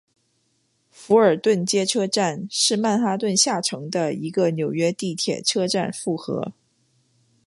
福尔顿街车站是曼哈顿下城的一个纽约地铁车站复合。